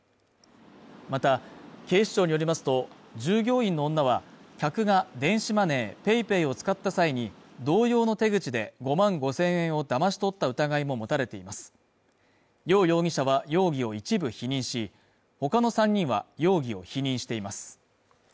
また警視庁によりますと従業員の女は客が電子マネーＰａｙＰａｙを使った際に同様の手口で５万５０００円をだまし取った疑いも持たれています楊容疑者は容疑を一部否認しほかの３人は容疑を否認しています